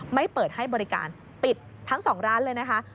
ไม่เปิดให้บริการปิดทั้ง๒ร้านเลยนะคะ